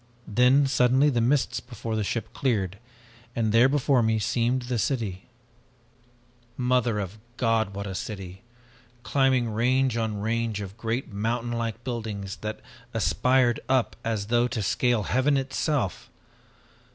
Then suddenly the mists before the ship cleared and there before me seemed the city. "Mother of God, what a city! Climbing range on range of great mountain like buildings that aspired up as though to scale heaven itself!